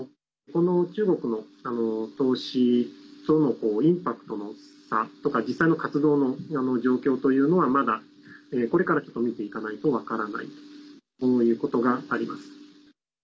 この中国の投資とのインパクトとの差とか実際の活動の状況というのはまだ、これから見ていかないと分からないということがあります。